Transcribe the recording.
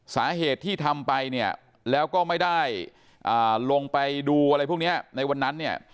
สาเหตุที่ทำไปเนี่ยแล้วก็ไม่ได้ลงไปดูอะไรพวกนี้ในวันนั้นเนี่ย